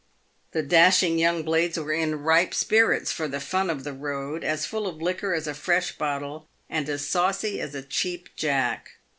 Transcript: The dashing young blades were in ripe spirits for the fun of the road, as full of liquor as a fresh bottle, and as saucy as a Cheap Jack.